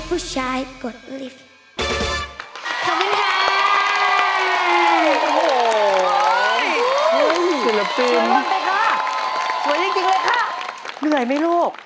ผู้ชายยะยะกินในวาดไม่ไหว